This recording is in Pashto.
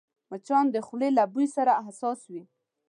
مچان د خولې له بوی سره حساس وي